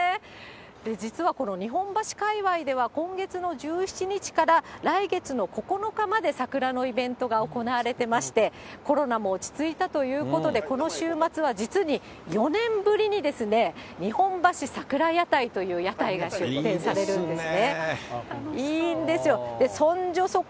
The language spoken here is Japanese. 実はこの日本橋かいわいでは今月の１７日から来月の９日まで、桜のイベントが行われてまして、コロナも落ち着いたということで、この週末は実に４年ぶりにですね、ニホンバシ桜屋台という屋台が出店されるんですね。